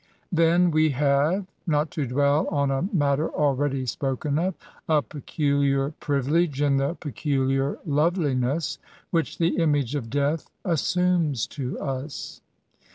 Then we have (not to dwell on a matter already spoken of) a peculiar privilege in the peculiiur GAINS AND PBIVILEGES. 205 loTeliness which the image of Death assumes to us.